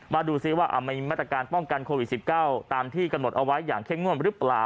มาดูซิว่ามีมาตรการป้องกันโควิด๑๙ตามที่กำหนดเอาไว้อย่างเข้มงวดหรือเปล่า